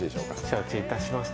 承知いたしました。